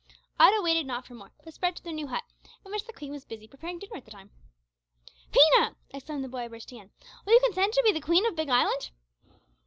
Otto waited not for more, but sped to their new hut, in which the Queen was busy preparing dinner at the time. "Pina," exclaimed the boy, bursting in, "will you consent to be the Queen of Big Island?"